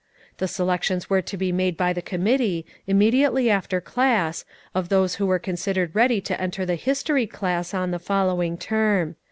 The selections were to be made by the committee, immediately after class, of those who were considered ready to enter the history class on the following term.